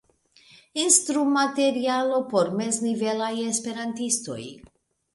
Instrumaterialo por meznivelaj Esperantistoj.